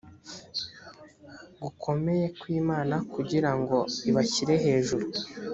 gukomeye kw imana kugira ngo ibashyire hejuru